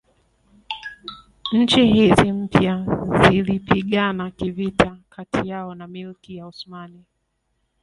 Nchi hizi mpya zilipigana kivita kati yao na Milki ya Osmani